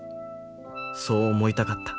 そう思いたかった